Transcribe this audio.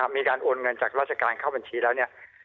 มีการโอนเงินจากราชการเข้าบัญชีแล้วเนี่ย